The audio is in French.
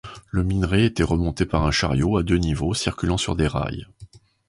Le minerai était remonté par un chariot à deux niveaux circulant sur des rails.